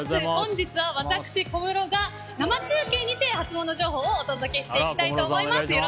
本日は私、小室が生中継にてハツモノ情報をお届けしていきたいと思います。